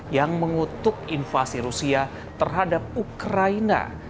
yang mengutuk invasi rusia terhadap ukraina